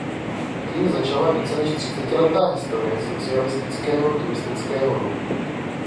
Tím začala více než třicetiletá historie socialistického turistického ruchu.